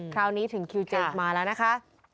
คราวนี้ถึงคิว๗มาแล้วนะคะ